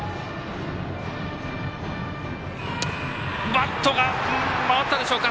バットが回ったでしょうか。